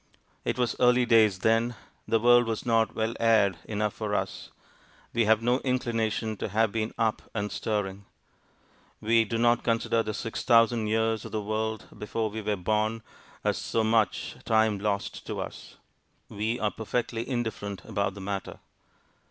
It was early days then: the world was not well aired enough for us: we have no inclination to have been up and stirring. We do not consider the six thousand years of the world before we were born as so much time lost to us: we are perfectly indifferent about the matter.